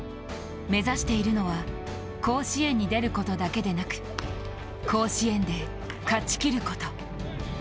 目指しているのは甲子園に出ることだけでなく、甲子園で勝ち切ること。